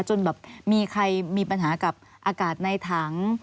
จนแบบมีใครมีปัญหากับอากาศในถัง